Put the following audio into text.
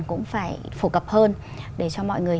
cũng phải phổ cập hơn để cho mọi người